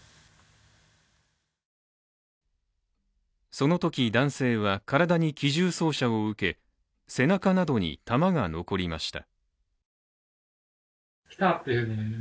そのとき男性は、体に機銃掃射を受け背中などに弾が残りました。